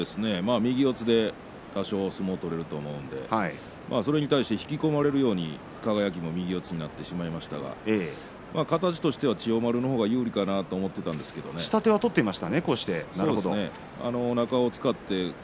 右四つで相撲は取れると思うのでそれに対して引き込まれるように輝右四つになってしまいましたが形としては千代丸の方が有利かなと思っていたんですが下手は取っていました。